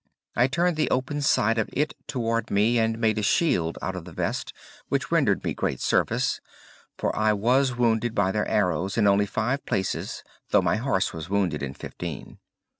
I turned the open side of it towards me and made a shield out of the vest which rendered me great service, for I was wounded by their arrows in only five places though my horse was wounded in fifteen.